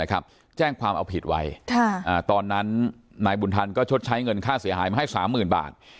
ตัวนะครับแจ้งความเอาผิดไว้ค่ะอ่าตอนนั้นนายบุญทันก็ชดใช้เงินค่าเสียหายมาให้สามหมื่นบาท